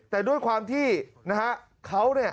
แต่ด้วยความที่นะฮะเขาเนี่ย